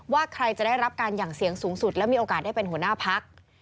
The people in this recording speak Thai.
ว่าใครจะได้รับการหยั่งเสียงสูงสุดและมีโอกาสได้เป็นหัวหน้าพัก